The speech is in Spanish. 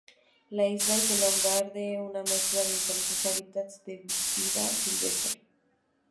La isla es el hogar de una mezcla de diferentes hábitats de vida silvestre.